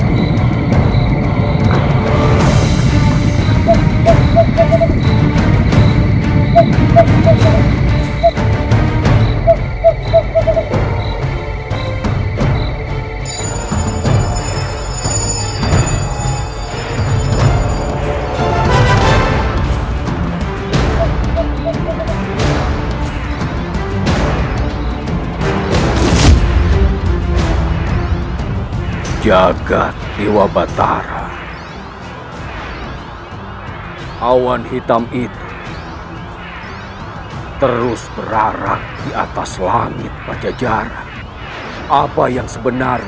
terima kasih pak gw transcend untuk mu adalah saat yang penting